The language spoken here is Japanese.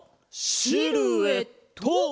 シルエット！